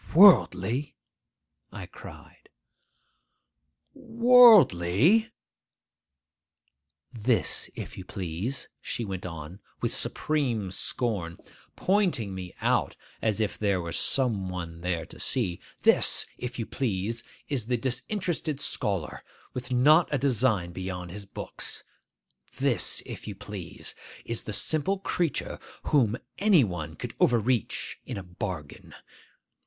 'Worldly?' I cried. 'Worldly?' 'This, if you please,'—she went on with supreme scorn, pointing me out as if there were some one there to see,—'this, if you please, is the disinterested scholar, with not a design beyond his books! This, if you please, is the simple creature whom any one could overreach in a bargain!